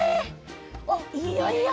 おっいいよいいよ。